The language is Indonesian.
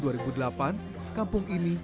kampung ini berada di kampung ilmu